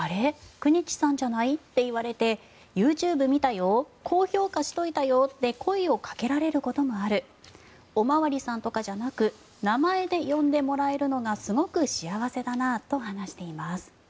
九日さんじゃないって言われてＹｏｕＴｕｂｅ見たよ高評価しといたよって声をかけられることもあるお巡りさんとかじゃなく名前で呼んでもらえるのがすごく幸せだなと話しています。